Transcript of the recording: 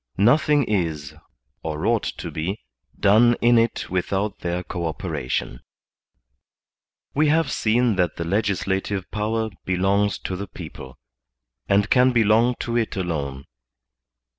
Nothing is, or ought to be, done in it without their co operation. We have seen that the legislative power belongs to the people, and can belong to it alone.